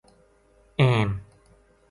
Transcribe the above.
اہم